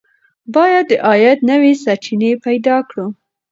باید د عاید نوې سرچینې پیدا کړو.